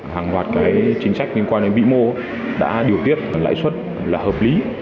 hàng loạt chính sách liên quan đến vĩ mô đã điều tiết lãi suất là hợp lý